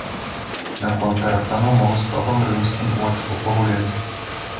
Наконт тараканаў магу з папам рымскім у ачко пагуляць.